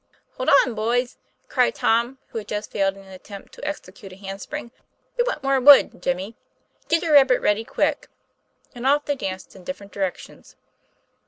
"Hold on, boys!" cried Tom, who had just failed in an attempt to execute a hand spring, "we want more wood, Jimmy; get your rabbit ready quick,' and off they danced in different directions.